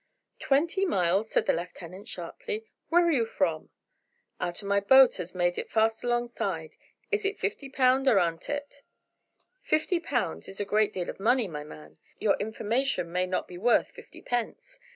"Twenty miles!" said the lieutenant sharply; "where are you from?" "Out o' my boat as is made fast 'longside. Is it fifty pound or aren't it?" "Fifty pound is a great deal of money, my man. Your information may not be worth fifty pence.